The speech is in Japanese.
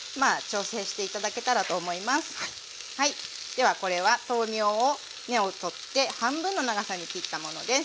ではこれは豆苗を根を取って半分の長さに切ったものです。